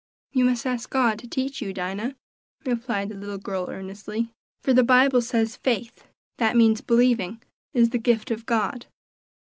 "You must ask God to teach you, Dinah," replied the little girl earnestly, "for the Bible says 'faith' that means believing 'is the gift of God.'"